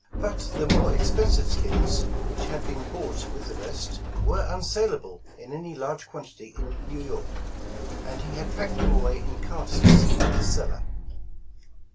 But the more expensive skins, which had been bought with the rest, were unsalable in any large quantity in New York, and he had packed them away in casks in his cellar.